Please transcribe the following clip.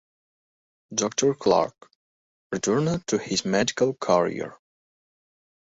Doctor Clarke returned to his medical career.